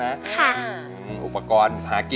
แล้วน้องใบบัวร้องได้หรือว่าร้องผิดครับ